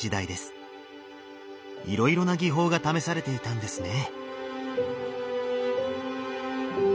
いろいろな技法が試されていたんですね。